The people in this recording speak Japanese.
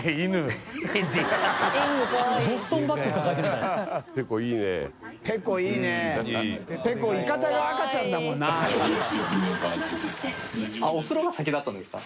淵好織奪奸お風呂が先だったんですか？